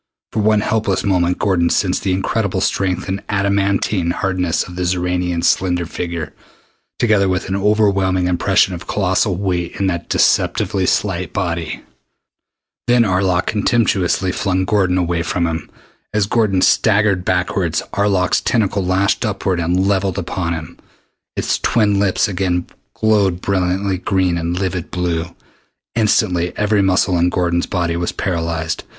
For one helpless moment Gordon sensed the incredible strength and adamantine hardness of the Xoranian's slender figure, together with an overwhelming impression of colossal weight in that deceptively slight body. Then Arlok contemptuously flung Gordon away from him. As Gordon staggered backward, Arlok's tentacle lashed upward and levelled upon him. Its twin tips again glowed brilliant green and livid blue. Instantly every muscle in Gordon's body was paralyzed.